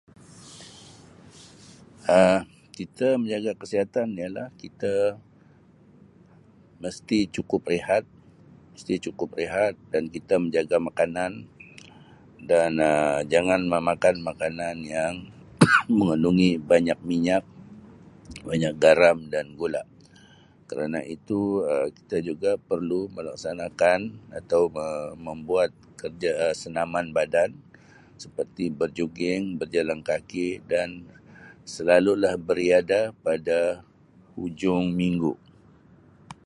Um Kita menjaga kesihatan ialah kita mesti cukup rehat mesti cukup rehat dan kita menjaga makanan dan Um jangan memakan makanan yang mengandungi banyak minyak banyak garam dan gula kerana itu Um kita juga perlu melaksanakan atau Um membuat kerja senaman badan seperti berjuging berjalan kaki dan selalu lah beriadah pada hujung minggu.